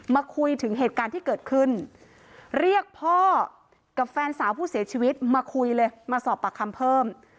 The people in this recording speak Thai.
มาคุยถึงเหตุการณ์ที่เกิดขึ้นเรียกพ่อกับแฟนสาวผู้เสียชีวิตมาคุยเลยมาสอบปากคำเพิ่ม